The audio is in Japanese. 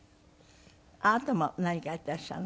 あなたも何かやっていらっしゃるの？